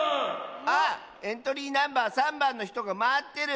あっエントリーナンバー３ばんのひとがまってる！